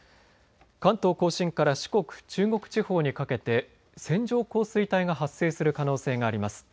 関東甲信から四国、中国地方にかけて線状降水帯が発生する可能性があります。